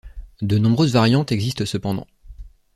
De nombreuses variantes existent cependant.